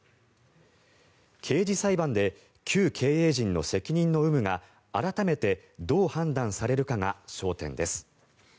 刑事裁判で旧経営陣の責任の有無が改めてどう判断されるかが焦点です。